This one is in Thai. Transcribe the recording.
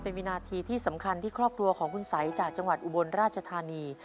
เป็นวินาทีที่สำคัญที่ครอบครัวของคุณสัยจากจังหวัดอุบลราชธานี